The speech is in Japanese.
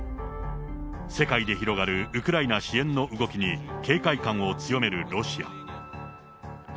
世界で広がるウクライナ支援の動きに、警戒感を強めるロシア。